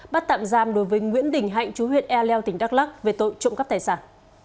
bắt tạm giam đối với nguyễn đình hạnh chú huyện e leo tỉnh đắk lắc về tội trộm cắp tài sản